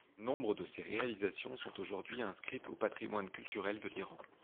Nombre de ses réalisations sont aujourd'hui inscrites au patrimoine culturel de l'Iran.